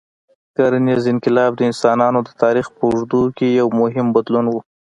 کرنيز انقلاب د انسانانو د تاریخ په اوږدو کې یو مهم بدلون و.